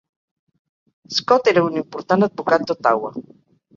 Scott era un important advocat d'Ottawa.